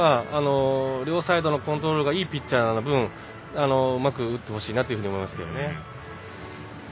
両サイドのコントロールがいいピッチャーな分、うまく打ってほしいなと思いますね。